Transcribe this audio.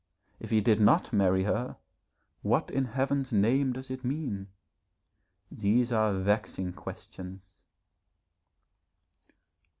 If he did not marry her, what in Heaven's name does it mean? These are vexing questions.